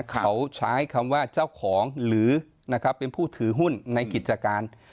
เขาใช้คำว่าเจ้าของหรือนะครับเป็นผู้ถือหุ้นในกิจการ